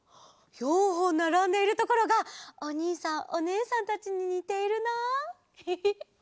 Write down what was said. ４ほんならんでいるところがおにいさんおねえさんたちににているなフフフ。